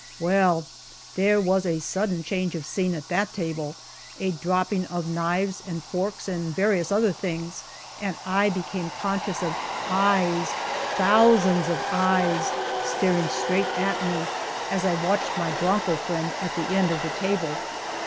Well, there was a sudden change of scene at that table a dropping of knives and forks and various other things, and I became conscious of eyes thousands of eyes staring straight at me, as I watched my bronco friend at the end of the table.